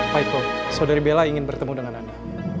pak iko saudari bella ingin bertemu dengan anda